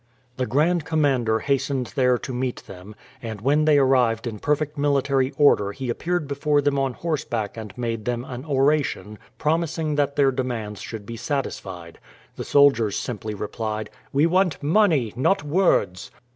The Grand Commander hastened there to meet them, and when they arrived in perfect military order he appeared before them on horseback and made them an oration, promising that their demands should be satisfied. The soldiers simply replied, "We want money, not words."